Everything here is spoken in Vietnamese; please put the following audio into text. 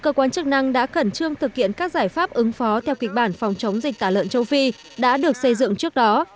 cơ quan chức năng đã khẩn trương thực hiện các giải pháp ứng phó theo kịch bản phòng chống dịch tả lợn châu phi đã được xây dựng trước đó